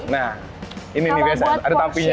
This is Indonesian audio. nah ini nih ada tapi nya ya